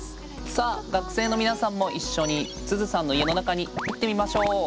さあ学生の皆さんも一緒にすずさんの家の中に入ってみましょう。